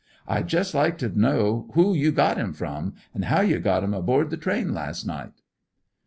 "I'd just like to know who you got him from, and how you got him aboard the train last night."